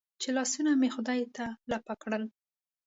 چې لاسونه مې خدای ته لپه کړل.